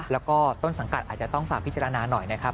แล้วก็ต้นสังกัดอาจจะต้องฝากพิจารณาหน่อยนะครับ